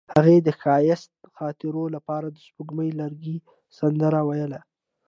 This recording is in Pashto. هغې د ښایسته خاطرو لپاره د سپوږمیز لرګی سندره ویله.